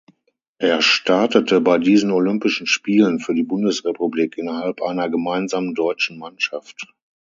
Er startete bei diesen Olympischen Spielen für die Bundesrepublik innerhalb einer gemeinsamen deutschen Mannschaft.